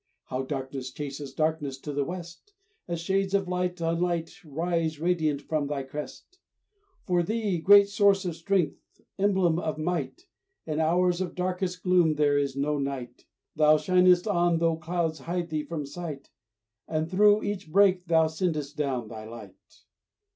How darkness chases darkness to the west, As shades of light on light rise radiant from thy crest! For thee, great source of strength, emblem of might, In hours of darkest gloom there is no night. Thou shinest on though clouds hide thee from sight, And through each break thou sendest down thy light.